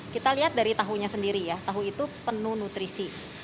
kita lihat dari tahunya sendiri ya tahu itu penuh nutrisi